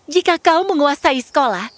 jika kau menguasai sekolah